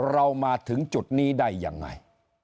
เรามาถึงจุดนี้ได้ยังไง